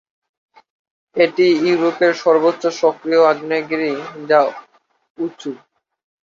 এটি ইউরোপের সর্ব্বোচ্চ সক্রিয় আগ্নেয়গিরি, যা উচুঁ।